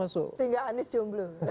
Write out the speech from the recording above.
sehingga anies jumblu